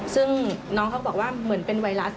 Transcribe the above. ซึ่งน้องเขาบอกว่าเหมือนเป็นไวรัส